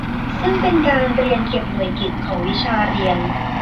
ซึ่งเป็นการเรียนเก็บหน่วยกิตของวิชาเรียน